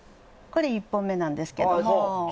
これ、１本目なんですけども。